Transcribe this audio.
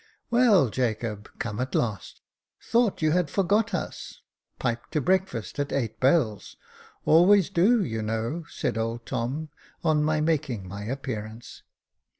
"Well, Jacob — come at last — thought you had forgot us j piped to breakfast at eight bells — always do, you know," said old Tom, on my making my appearance.